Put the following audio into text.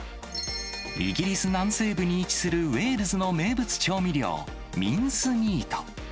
イギリス南西部に位置するウェールズの名物調味料、ミンスミート。